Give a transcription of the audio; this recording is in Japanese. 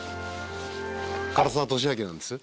唐沢寿明なんです。